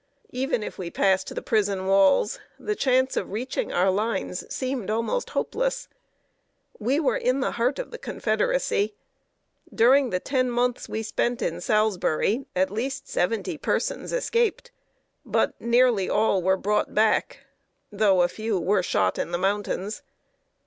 Even if we passed the prison walls, the chance of reaching our lines seemed almost hopeless. We were in the heart of the Confederacy. During the ten months we spent in Salisbury, at least seventy persons escaped; but nearly all were brought back, though a few were shot in the mountains.